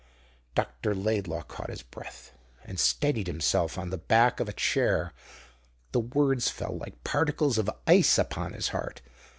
Dr. Laidlaw caught his breath, and steadied himself on the back of a chair. The words fell like particles of ice upon his heart.